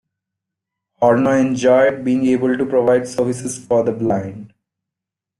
Horner enjoyed being able to provide services for the blind.